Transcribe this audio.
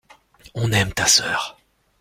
On aime ta sœur.